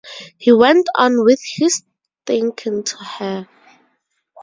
He went on with his thinking to her.